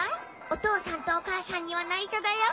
お父さんとお母さんには内緒だよ。